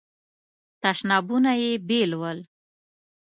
تشنابونه یې بیل ول.